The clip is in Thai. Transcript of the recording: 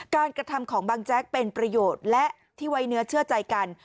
กระทำของบางแจ๊กเป็นประโยชน์และที่ไว้เนื้อเชื่อใจกัน